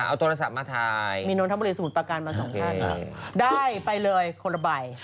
เอาทัวร์ละซับมาถ่ายมีนทมสมุทรประกันมา๒ท่านได้ไปเลยคนละใบ